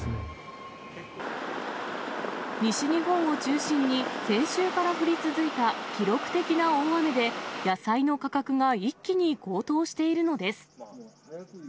西日本を中心に、先週から降り続いた記録的な大雨で、野菜の価格が一気に高騰しているのです。